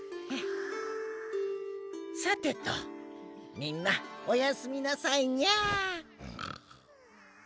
さてとみんなお休みなさいにゃ。